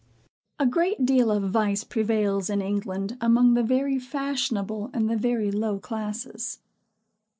A great deal of vice prevails in England, among the very fashionable, and the very low classes.